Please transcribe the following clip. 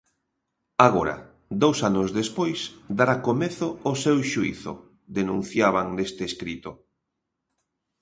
Agora, dous anos despois, dará comezo o seu xuízo, denunciaban neste escrito.